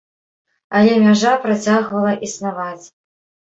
Але мяжа працягвала існаваць.